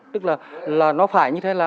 tức là nó phải như thế là